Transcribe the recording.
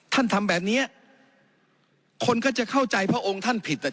ทำแบบเนี้ยคนก็จะเข้าใจพระองค์ท่านผิดอ่ะ